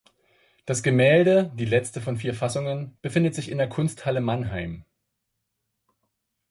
Das Gemälde, die letzte von vier Fassungen, befindet sich in der Kunsthalle Mannheim.